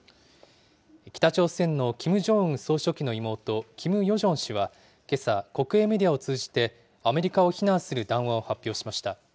北朝鮮のキム・ジョンウン総書記の妹、キム・ヨジョン氏はけさ、国営メディアを通じて、アメリカを非難する談話を発表しました。